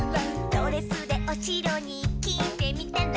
「ドレスでおしろにきてみたら」